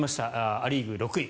ア・リーグ、６位。